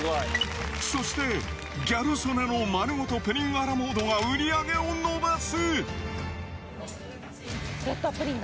そして、ギャル曽根の丸ごとプリンアラモードが売り上げを伸ばす。